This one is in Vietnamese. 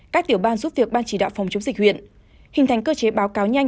các tiểu ban giúp việc ban chỉ đạo phòng chống dịch huyện hình thành cơ chế báo cáo nhanh